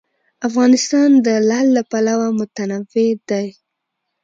افغانستان د لعل له پلوه متنوع دی.